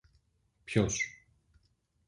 Ποιος;